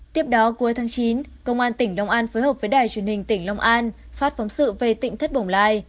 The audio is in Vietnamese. tiếp đó cuối tháng chín công an tỉnh long an phối hợp với đài truyền hình tỉnh long an phát phóng sự về tỉnh thất bồng lai